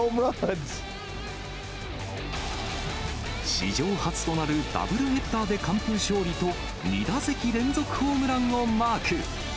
史上初となるダブルヘッダーで完封勝利と、２打席連続ホームランをマーク。